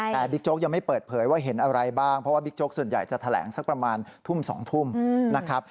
แต่บิ๊กโจ๊กยังไม่เปิดเผยว่าเห็นอะไรบ้างเพราะว่าบิ๊กโจ๊กส่วนใหญ่จะแถลงสักประมาณทุ่ม๒ทุ่มนะครับ